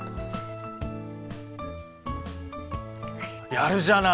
やるじゃない！